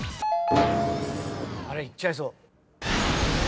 いっちゃいそう。